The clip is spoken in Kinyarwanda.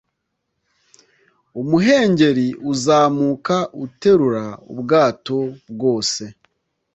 umuhengeri uzamuka uterura ubwato bwose